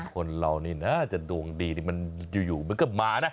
คนเรานี่น่าจะดวงดีมันอยู่มันก็มานะ